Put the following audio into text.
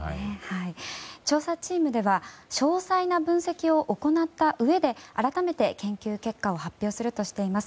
調査チームでは詳細な分析を行ったうえで改めて研究結果を発表するとしています。